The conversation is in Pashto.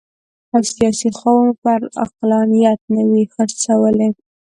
او سیاسي خواوې مو پر عقلانیت نه وي څرخولي.